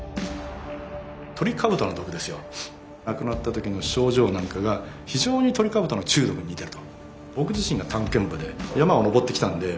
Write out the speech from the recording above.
亡くなった時の症状なんかが非常にトリカブトの中毒に似てると。